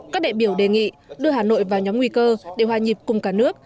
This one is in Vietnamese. các đại biểu đề nghị đưa hà nội vào nhóm nguy cơ để hòa nhịp cùng cả nước